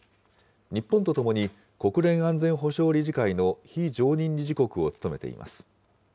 日本と共に国連安全保障理事会の非常任理事国を務めています。